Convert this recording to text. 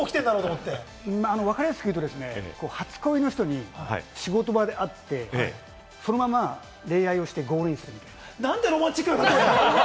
わかりやすく言うと、初恋の人に仕事場で会って、そのまま恋愛をしてゴールにするみたいな。なんてロマンチックなたとえ！